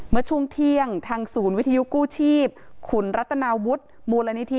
เมื่อช่วงเที่ยงทางศูนย์วิทยุกู้ชีพขุนรัตนาวุฒิมูลนิธิ